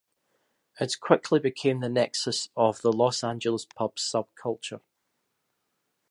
It quickly became the nexus of the Los Angeles punk subculture.